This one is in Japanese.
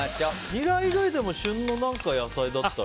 ニラ以外でも旬の野菜だったら？